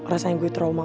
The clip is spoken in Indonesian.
rasanya gue trauma